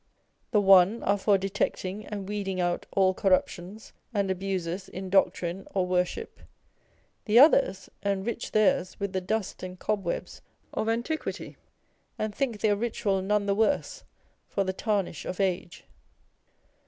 The one are for detecting and weeding out all corruptions and abuses in doctrine or worship : the others enrich theirs with the dust and cob webs of antiquity, and think their ritual none the worse for the tarnish of age.